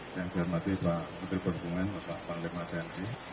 yang saya hormati pak putri perhubungan pak pak limadanti